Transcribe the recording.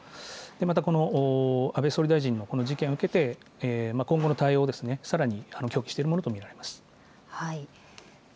またこの安倍総理大臣のこの事件を受けて、今後の対応ですね、さらに協議しているものと見られます。